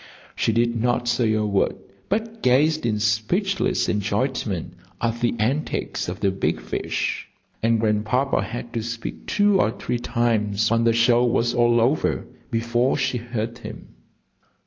She did not say a word, but gazed in speechless enjoyment at the antics of the big fish. And Grandpapa had to speak two or three times when the show was all over before she heard him.